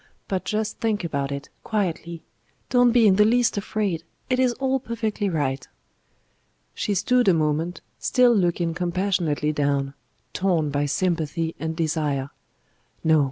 But just think about it quietly. Don't be in the least afraid; it is all perfectly right." She stood a moment, still looking compassionately down; torn by sympathy and desire. No!